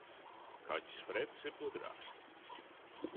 Kaķis Fredis ir gudrāks.